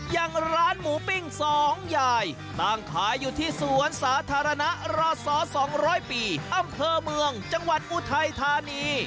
อย่างร้านหมูปิ้งสองยายตั้งขายอยู่ที่สวนสาธารณะรศ๒๐๐ปีอำเภอเมืองจังหวัดอุทัยธานี